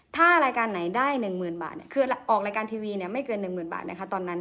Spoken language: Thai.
ถ้ารายการไหนได้๑๐๐๐บาทคือออกรายการทีวีไม่เกิน๑๐๐๐บาทนะคะตอนนั้น